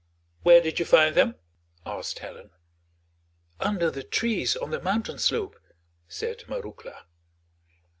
"Where did you find them?" asked Helen. "Under the trees on the mountain slope," said Marouckla.